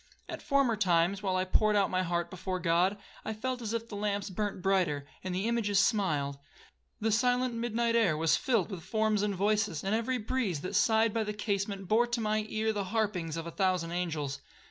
At former times, while I poured out my heart before God, I felt as if the lamps burnt brighter, and the images smiled,—the silent midnight air was filled with forms and voices, and every breeze that sighed by the casement bore to my ear the harpings of a thousand angels.